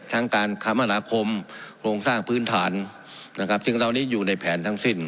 ทั้งการคมนาคมโครงสร้างพื้นฐานนะครับซึ่งตอนนี้อยู่ในแผนทั้งสิ้น